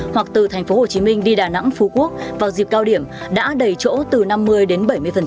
hoặc từ tp hcm đi đà nẵng phú quốc vào dịp cao điểm đã đầy chỗ từ năm mươi đến bảy mươi